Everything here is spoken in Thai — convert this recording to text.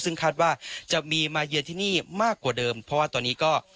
ซึ่งคาดว่าจะมีมาเยือนที่นี่มากกว่าเดิมเพราะว่าตอนนี้ก็